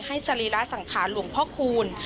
สรีระสังขารหลวงพ่อคูณ